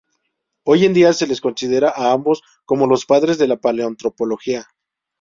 Hoy en día se les considera a ambos como los padres de la Paleoantropología.